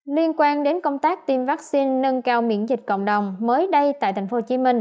liên quan đến công tác tiêm vaccine nâng cao miễn dịch cộng đồng mới đây tại tp hcm